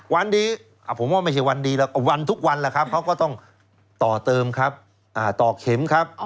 วันดีผมว่าไม่ใช่วันดีแล้วก็วันทุกวันแล้วครับเขาก็ต้องต่อเติมครับต่อเข็มครับ